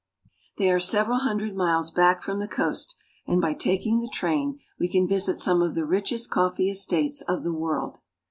They are several hundred miles back from the coast, and by taking the train we can visit some of the richest coffee estates of the world.